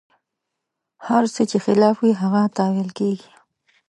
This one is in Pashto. هر څه چې خلاف وي، هغه تاویل کېږي.